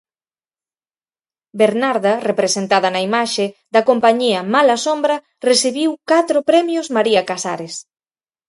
'Bernarda', representada na imaxe, da compañía Malasombra, recibiu catro premios María Casares.